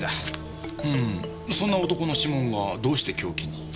うんそんな男の指紋がどうして凶器に？